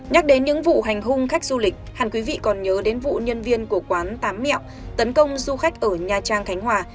nhắc đến những vụ hành hung khách du lịch hẳn quý vị còn nhớ đến vụ nhân viên của quán tám mẹo tấn công du khách ở nha trang khánh hòa